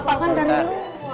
papa kan dari luar